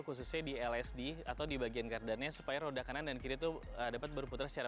khususnya di lsd atau di bagian gardannya supaya roda kanan dan kiri itu dapat berputar secara